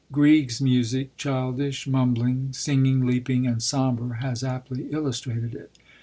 Grieg's music, childish, mumbling, singing, leaping, and sombre, has aptly illustrated it.